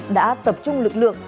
đã tập trung lực lượng